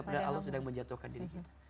padahal allah sedang menjatuhkan diri kita